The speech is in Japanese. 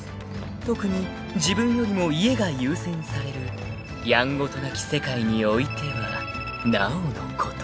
［特に自分よりも家が優先されるやんごとなき世界においてはなおのこと］